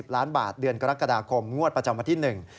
๙๐ล้านบาทเดือนกรกฎาคมงวดประจำวัติหนึ่ง